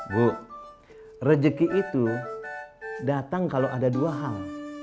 bu rejeki itu datang kalau ada dua hal